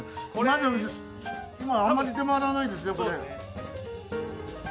今あんまり出回らないですねこれ。